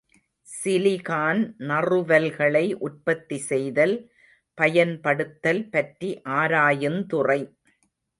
Silicon நறுவல்களை உற்பத்தி செய்தல், பயன்படுத்தல் பற்றி ஆராயுந்துறை.